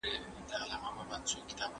د اصفهان فاتح د شاه محمود هوتک په اړه دی.